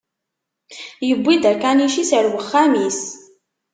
Yewwi-d akanic-is ar wexxam-is.